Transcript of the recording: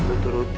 lu tuh siapa sih